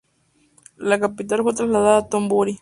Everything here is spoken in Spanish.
La capital fue trasladada a Thon Buri.